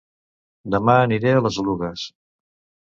Dema aniré a Les Oluges